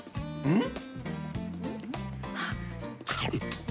うん？